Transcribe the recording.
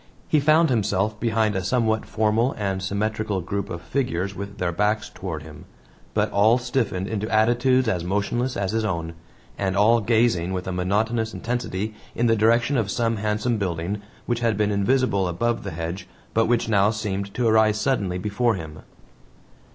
He found himself behind a somewhat formal and symmetrical group of figures with their backs toward him, but all stiffened into attitudes as motionless as his own, and all gazing with a monotonous intensity in the direction of a handsome building, which had been invisible above the hedge but which now seemed to arise suddenly before him.